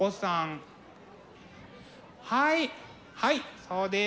はいはいそうです。